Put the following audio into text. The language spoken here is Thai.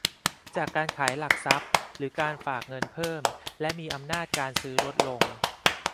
จากการขายหลักทรัพย์ หรือการฝากเงินเพิ่ม และมีอำนาจการซื้อลดลง